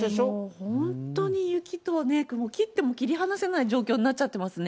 本当に雪とね、切っても切り離せない状況になっちゃってますね。